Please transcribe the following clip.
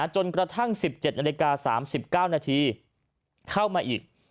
จนกระทั่ง๑๗๓๙นเข้ามาอีก